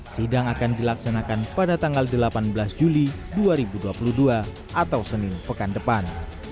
sidang akan dilaksanakan pada tanggal delapan belas juli dua ribu dua puluh dua atau senin pekan depan